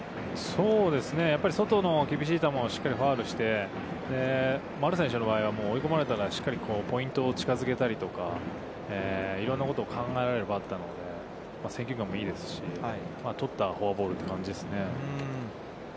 そうですね、やっぱり外の厳しい球をファウルして、丸選手の場合は追い込んだら、しっかりとポイントを近づいたりとか、いろんなことを考えられるバッターなので、選球眼もいいですし、取ったフォアボールという感じですね。